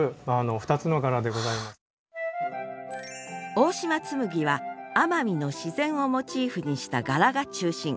大島紬は奄美の自然をモチーフにした柄が中心。